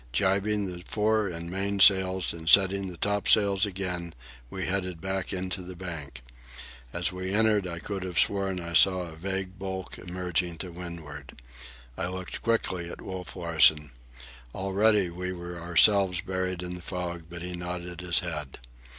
Jibing the fore and main sails and setting the topsails again, we headed back into the bank. As we entered I could have sworn I saw a vague bulk emerging to windward. I looked quickly at Wolf Larsen. Already we were ourselves buried in the fog, but he nodded his head.